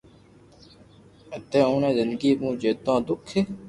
ھتي اوڻي زندگي مون جيتو دوک